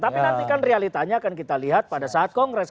tapi nanti kan realitanya akan kita lihat pada saat kongres